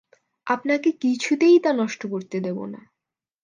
আপনাকে কিছুতেই তা নষ্ট করতে দেব না।